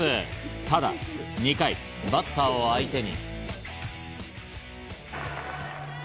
ただ２回、バッターを相手に。